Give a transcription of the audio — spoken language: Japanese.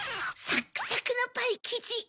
サックサクのパイきじ。